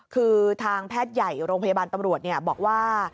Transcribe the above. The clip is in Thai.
คือทางแพทย์ใหญ่โรงพยาบาลตำรวจบอกว่า